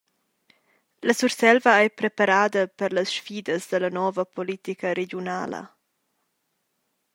La Surselva ei preparada per las sfidas dalla nova politica regiunala.